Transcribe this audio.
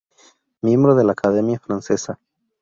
Miembro de la Academia Francesa.